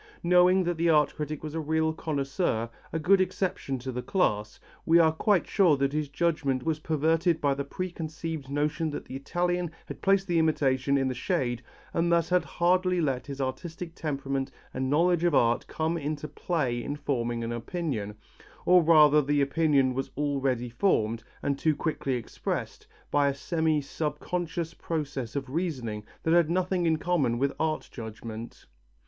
Knowing that the art critic was a real connoisseur, a good exception to the class, we are quite sure that his judgment was perverted by the preconceived notion that the Italian had placed the imitation in the shade and thus had hardly let his artistic temperament and knowledge of art come into play in forming an opinion, or rather the opinion was already formed, and too quickly expressed, by a semi subconscious process of reasoning that had nothing in common with art judgment.